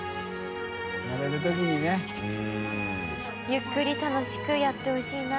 ゆっくり楽しくやってほしいな。